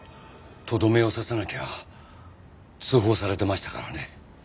とどめを刺さなきゃ通報されてましたからね。